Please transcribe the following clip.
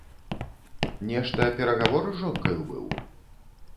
Нешта перагавор з жонкаю быў?